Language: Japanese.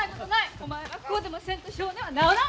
お前はこうでもせんと性根は直らん！